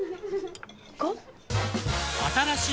５？